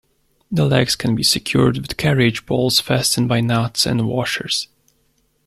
The legs can be secured with carriage bolts fastened by nuts and washers.